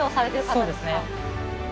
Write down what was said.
そうですね。